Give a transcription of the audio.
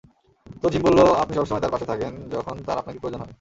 তো, জিম বললো আপনি সবসময় তার পাশে থাকেন যখন তার আপনাকে প্রয়োজন হয়।